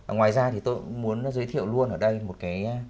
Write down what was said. ngoài ra thì tôi muốn giới thiệu luôn ở đây một cái